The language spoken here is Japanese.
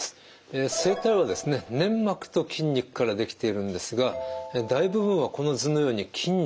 粘膜と筋肉から出来ているんですが大部分はこの図のように筋肉なんです。